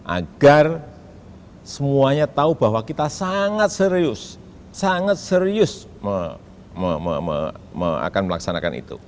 agar semuanya tahu bahwa kita sangat serius sangat serius akan melaksanakan itu